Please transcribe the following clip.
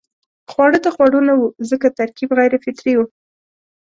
خواړه د خوړو نه وو ځکه ترکیب غیر فطري وو.